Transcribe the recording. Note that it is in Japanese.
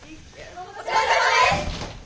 お疲れさまです！